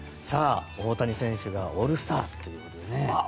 大谷選手がオールスターということでね。